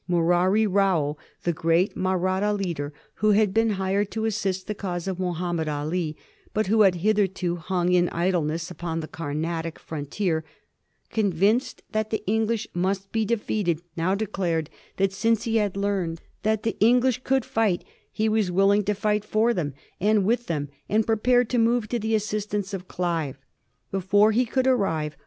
Murari Rao, the great Mahratta leader, who had been hired to assist the cause of Mohammed All, but who had hitherto hung in idleness upon the Carnatio frontier, convinced that the English must be defeated, now declared that since he had learned that the '^ English could fight," he was willing to fight for them, and with them, and prepared to move to the assistance of Clive. Before they could arrive.